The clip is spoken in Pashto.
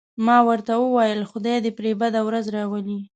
ما ورته وویل: خدای دې پرې بده ورځ راولي.